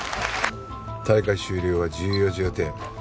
大会終了は１４時予定。